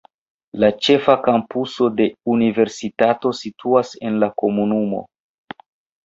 La ĉefa kampuso de universitato situas en la komunumo.